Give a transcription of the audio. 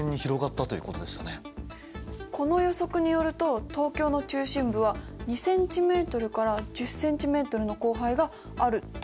この予測によると東京の中心部は２ｃｍから１０ｃｍの降灰があるということになりますね。